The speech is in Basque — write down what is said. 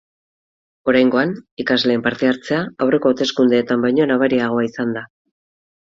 Oraingoan, ikasleen parte-hartzea aurreko hauteskundeetan baino nabariagoa izan da.